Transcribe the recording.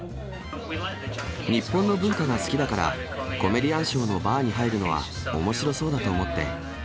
日本の文化が好きだから、コメディアンショーのバーに入るのはおもしろそうだと思って。